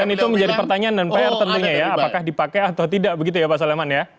dan itu menjadi pertanyaan dan pr tentunya ya apakah dipakai atau tidak begitu ya pak soleman ya